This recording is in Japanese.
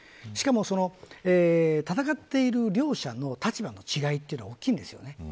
しかも戦っている両者の立場の違いが大きいんですよね。